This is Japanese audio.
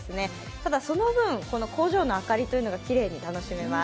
ただ、その分工場の明かりというのがきれいに楽しめます。